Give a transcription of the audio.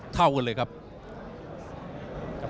เท่ากันเลยครับ